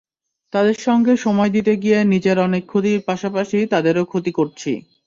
তাদের সঙ্গে সময় দিতে গিয়ে নিজের অনেক ক্ষতির পাশাপাশি তাদেরও ক্ষতি করছি।